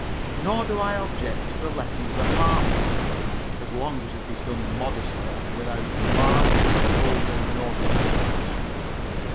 Nor do I object to the letting of apartments, as long as it is done modestly, and without large, vulgar notice boards.